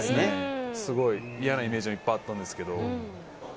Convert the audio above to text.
すごく嫌なイメージがいっぱいあったんですけれども。